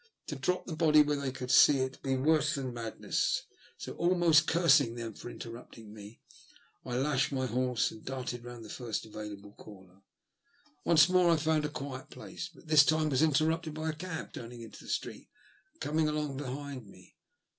To drop the body where they could see it would be worse than madness, so, almost cursing them for interrupting me, I lashed my horse and darted round the first available corner. Once more I found a quiet place, but this time I was interrupted by a cab turning into the street and coming along behind me.